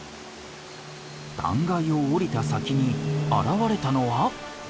断崖を下りた先に現れたのは。